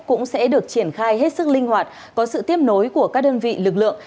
cũng sẽ được triển khai hết sức linh hoạt có sự tiếp nối của các đơn vị lực lượng